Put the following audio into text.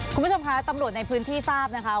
คุณผู้ชมคะตำรวจในพื้นที่ทราบนะคะ